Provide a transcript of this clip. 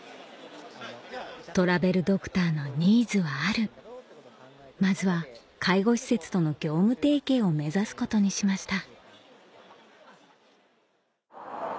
トラベルドクターのニーズはあるまずは介護施設との業務提携を目指すことにしました